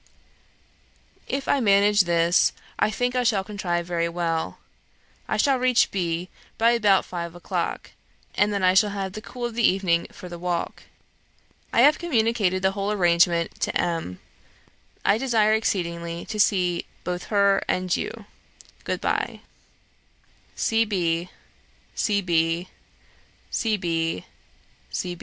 If I manage this, I think I shall contrive very well. I shall reach B. by about five o'clock, and then I shall have the cool of the evening for the walk. I have communicated the whole arrangement to M. I desire exceedingly to see both her and you. Good bye.